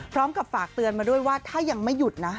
ฝากเตือนมาด้วยว่าถ้ายังไม่หยุดนะ